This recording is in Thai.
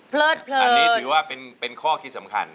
พลิดอันนี้ถือว่าเป็นข้อภาพสำคัญ